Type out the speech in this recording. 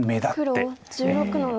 黒１６の六。